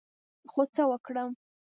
خو څه وکړم،